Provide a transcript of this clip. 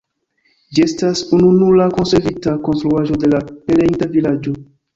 Ĝi estas ununura konservita konstruaĵo de la pereinta vilaĝo.